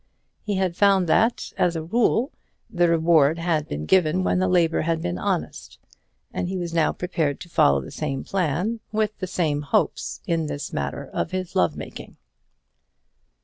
He had found that, as a rule, the reward had been given when the labour had been honest; and he was now prepared to follow the same plan, with the same hopes, in this matter of his love making.